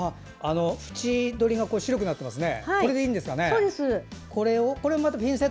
縁取りが白くなっていますね。